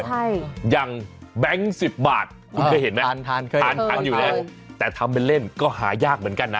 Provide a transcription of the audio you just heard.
ใช่ยังแบงค์๑๐บาทคุณเคยเห็นมั้ยทานอยู่แล้วแต่ทำเป็นเล่นก็หายากเหมือนกันนะ